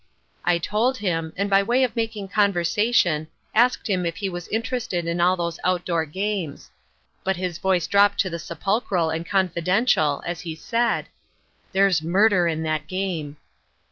"I told him, and by way of making conversation, asked him if he was interested in all those outdoor games. But his voice dropped to the sepulchral and confidential, as he said: "'There's murder in that game!'